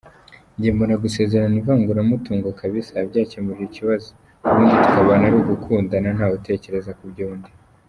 Njye mbona gusezerana ivangura mutingo kbs, byakemura ikibazo, ubundi tukabana arugukundana ntawutekerea kubyundi.